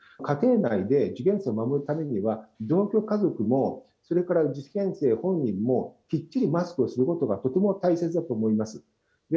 家庭内で受験生を守るためには、同居家族も、それから受験生本人も、きっちりマスクをすることがとても大切だと思います。